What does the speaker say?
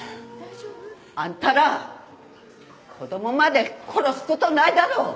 あんたら子供まで殺すことないだろ！